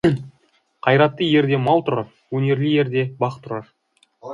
Қайратты ерде мал тұрар, өнерлі ерде бақ тұрар.